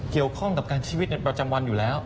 เกี่ยวข้องกับการชีวิตในประจำวันอยู่แล้ว